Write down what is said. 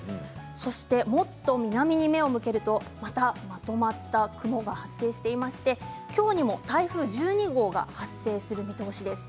そして、もっと南に目を向けるとまた、まとまった雲が発生していまして今日にも台風１２号が発生する見通しです。